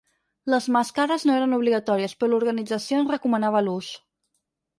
Les màscares no eren obligatòries, però l’organització en recomanava l’ús.